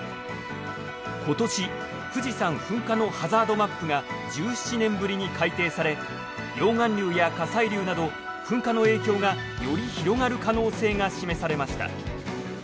今年富士山噴火のハザードマップが１７年ぶりに改定され溶岩流や火砕流など噴火の影響がより広がる可能性が示されました。